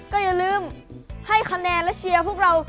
ก็อย่าลืมให้คะแนนและเชียร์พวกเรา